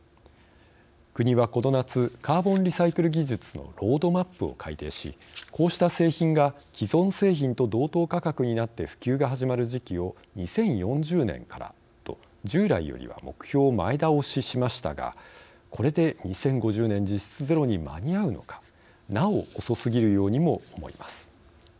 国は、この夏カーボンリサイクル技術のロードマップを改訂しこうした製品が既存製品と同等価格になって普及が始まる時期を２０４０年からと従来よりは目標を前倒ししましたがこれで２０５０年実質ゼロに間に合うのかなお遅すぎるようにも思います。